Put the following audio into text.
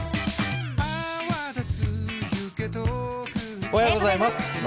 おはようございます。